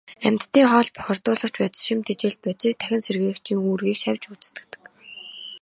Амьтдын хоол, бохирдуулагч бодис, шим тэжээлт бодисыг дахин сэргээгчийн үүргийг шавж гүйцэтгэдэг.